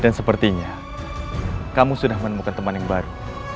dan sepertinya kamu sudah menemukan teman yang baru